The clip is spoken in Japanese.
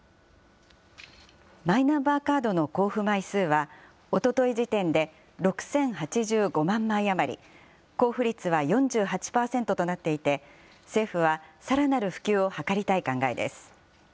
マイナンバーカードの交付枚数は、おととい時点で６０８５万枚余り、交付率は４８％となっていて、政府はさらなる普及を図りたい考えです。